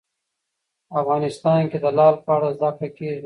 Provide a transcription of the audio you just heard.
افغانستان کې د لعل په اړه زده کړه کېږي.